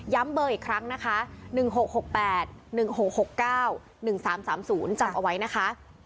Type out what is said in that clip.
เบอร์อีกครั้งนะคะ๑๖๖๘๑๖๖๙๑๓๓๐จำเอาไว้นะคะ